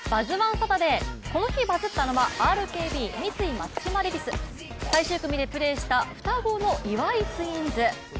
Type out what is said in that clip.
サタデー、この日バズったのはＲＫＢ×三井松島レディス、最終組でプレーした双子の岩井ツインズ。